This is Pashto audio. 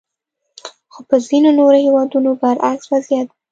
خو په ځینو نورو هېوادونو برعکس وضعیت وو.